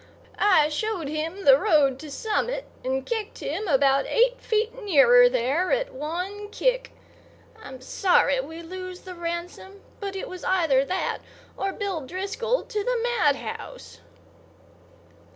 I showed him the road to Summit and kicked him about eight feet nearer there at one kick. I'm sorry we lose the ransom; but it was either that or Bill Driscoll to the madhouse."